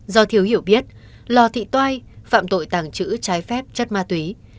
do thiếu hiểu biết lò thị toai phạm tội tàng trữ trái phép chất ma túy